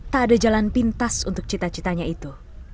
tak ada jalan pintas untuk cita citanya itu